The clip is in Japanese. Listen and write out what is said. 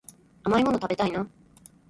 甘いもの食べたいな